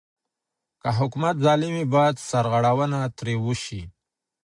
که حکومت ظالم وي بايد سرغړونه ترې وسي.